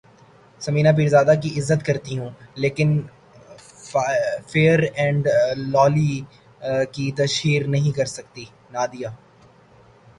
ثمینہ پیرزادہ کی عزت کرتی ہوں لیکن فیئر اینڈ لولی کی تشہیر نہیں کرسکتی نادیہ